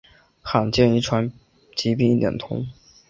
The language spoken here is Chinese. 罕见遗传疾病一点通